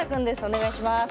お願いします。